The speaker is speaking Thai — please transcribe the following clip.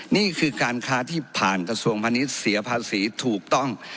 นี่คือการค้าที่ผ่านกระทรวงพาณิชย์เสียภาษีถูกต้อง